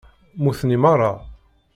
Muten i meṛṛa.